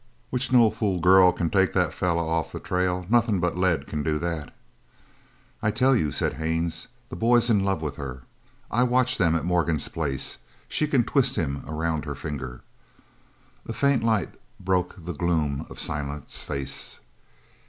"Which no fool girl c'n take that feller off the trail. Nothin' but lead can do that." "I tell you," said Haines, "the boy's in love with her. I watched them at Morgan's place. She can twist him around her finger." A faint light broke the gloom of Silent's face.